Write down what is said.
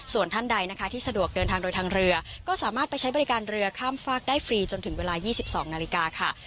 ส่วนท่านใดนะคะที่สะดวกเดินทางโดยทางเรือก็สามารถไปใช้บริการเรือข้ามฝากได้ฟรีจนถึงเวลา๒๒นาฬิกาค่ะ